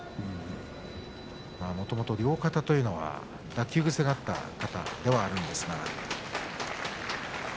もともと両肩というのが脱臼癖があった肩ではあったんですが。